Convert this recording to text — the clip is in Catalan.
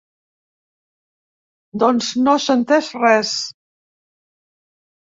Doncs no s’ha entès res.